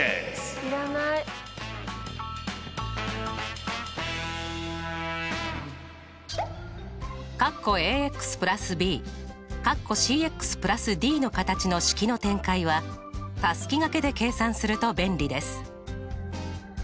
要らない。の形の式の展たすきがけで計算すると便利です。